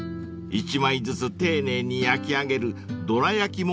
１枚ずつ丁寧に焼き上げるどら焼きも大人気］